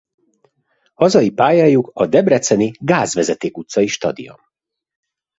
Hazai pályájuk a debreceni Gázvezeték utcai stadion.